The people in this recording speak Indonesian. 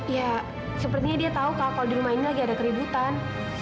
ya sepertinya dia tahu kalau di rumah ini lagi ada keributan